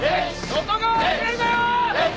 外側遅れるなよ！